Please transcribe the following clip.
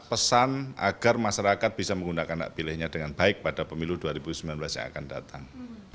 pesan agar masyarakat bisa menggunakan hak pilihnya dengan baik pada pemilu dua ribu sembilan belas yang akan datang